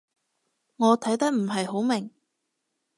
我睇得唔係好明